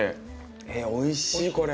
えっおいしいこれ。